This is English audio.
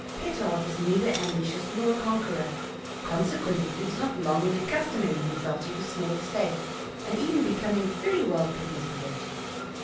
Petard was neither ambitious nor a conqueror; conse quently he was not long in accustoming himself to his small estate, and even in becoming very well pleased with it.